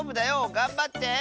がんばって！